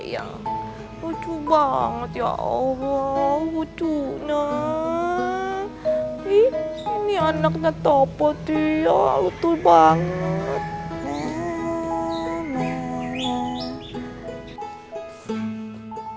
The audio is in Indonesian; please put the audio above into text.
sayang lucu banget ya allah lucu nah ini anaknya topo tio betul banget